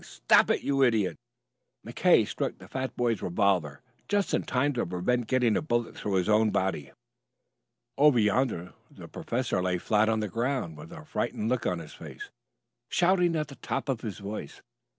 "Stop it, you idiot!" McKay struck the fat boy's revolver just in time to prevent getting a bullet through his own body. Over yonder the professor lay flat on the ground with a frightened look on his face, shouting at the top of his voice.